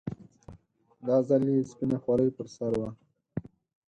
دا ځل يې سپينه خولۍ پر سر وه.